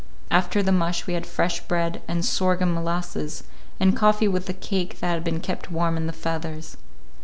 After the mush we had fresh bread and sorghum molasses, and coffee with the cake that had been kept warm in the feathers.